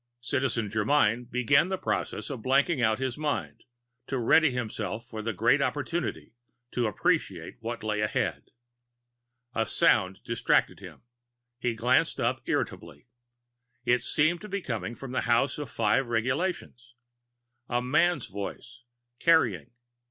Citizen Germyn began the process of blanking out his mind, to ready himself for the great opportunity to Appreciate that lay ahead. A sound distracted him; he glanced up irritably. It seemed to come from the House of the Five Regulations, a man's voice, carrying.